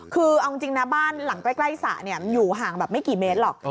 คือเอาจริงนะบ้านหลังใกล้สระมันอยู่ห่างแบบไม่กี่เมตรหรอก